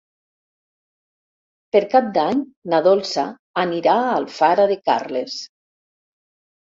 Per Cap d'Any na Dolça anirà a Alfara de Carles.